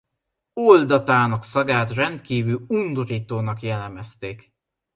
Oldatának szagát rendkívül undorítónak jellemezték.